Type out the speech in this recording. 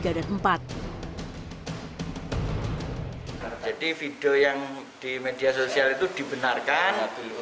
jadi video yang di media sosial itu dibenarkan